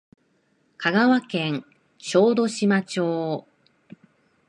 香川県小豆島町